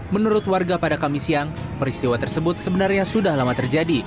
menurut warga pada kamis siang peristiwa tersebut sebenarnya sudah lama terjadi